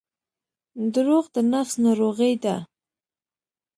• دروغ د نفس ناروغي ده.